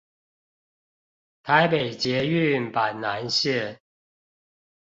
臺北捷運板南線